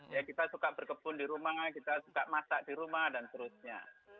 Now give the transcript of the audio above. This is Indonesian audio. ya kita suka berkebun di rumah kita suka masak di rumah dan seterusnya